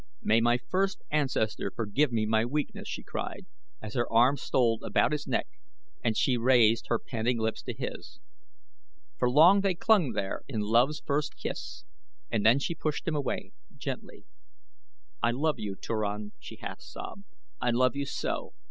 "May my first ancestor forgive me my weakness," she cried, as her arms stole about his neck and she raised her panting lips to his. For long they clung there in love's first kiss and then she pushed him away, gently. "I love you, Turan," she half sobbed; "I love you so!